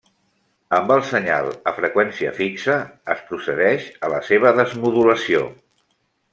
Amb el senyal a freqüència fixa es procedeix a la seva desmodulació.